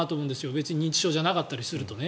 別に認知症じゃなかったりすると。